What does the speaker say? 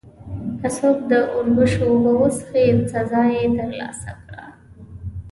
که څوک د اوربشو اوبه وڅښلې، سزا یې ترلاسه کړه.